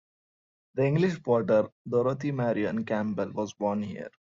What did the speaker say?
The English potter, Dorothy Marion Campbell was born here.